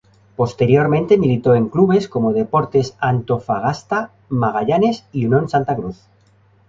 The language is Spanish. Posteriormente militó en clubes como Deportes Antofagasta, Magallanes y Unión Santa Cruz.